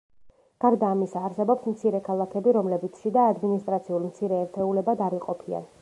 გარდა ამისა, არსებობს მცირე ქალაქები, რომლებიც შიდა ადმინისტრაციულ მცირე ერთეულებად არ იყოფიან.